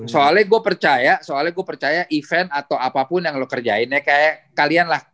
soalnya gue percaya soalnya gue percaya event atau apapun yang lu kerjainnya kayak kalian lah